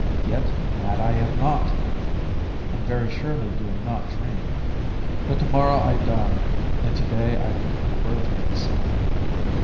Yet, mad am I not—and very surely do I not dream. But to morrow I die, and to day I would unburthen my soul.